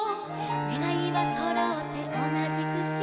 「ねがいはそろって同じ串」